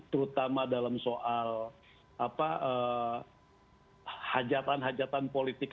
terutama dalam soal hajatan hajatan politik